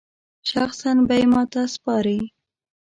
شخصاً به یې ماته سپاري.